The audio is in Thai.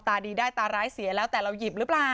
ตาดีได้ตาร้ายเสียแล้วแต่เราหยิบหรือเปล่า